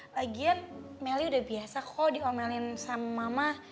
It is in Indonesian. lagian melly udah biasa kok diomelin sama mama